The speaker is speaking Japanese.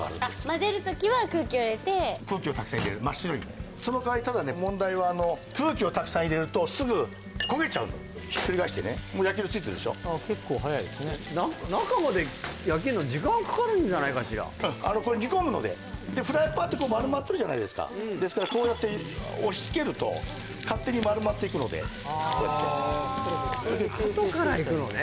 まぜる時は空気を入れて空気をたくさん入れる真っ白にそのかわりただね問題はひっくり返してねもう焼き色ついてるでしょ中まで焼けんの時間かかるんじゃないかしらこれ煮込むのでフライパンって丸まってるじゃないですかですからこうやって押し付けると勝手に丸まっていくのでこうやってあとからいくのね